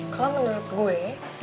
kalau menurut gue